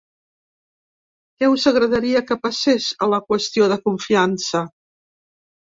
Què us agradaria que passés a la qüestió de confiança?